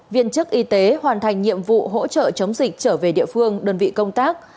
viên chức y tế hoàn thành nhiệm vụ hỗ trợ chống dịch trở về địa phương đơn vị công tác